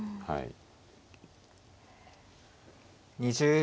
はい。